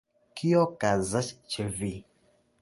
Kio okazas ĉe vi?